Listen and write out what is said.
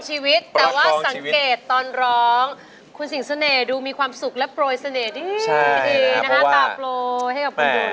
จะรีบภาคตีพอม